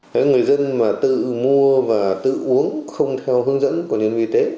đấy người dân mà tự mua và tự uống không theo hướng dẫn của nhân viên y tế